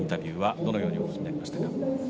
どのようにお聞きになりましたか。